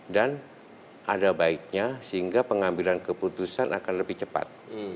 dan ada baiknya sehingga pengambilan keputusan akan lebih cepat